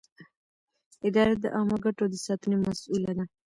اداره د عامه ګټو د ساتنې مسووله ده.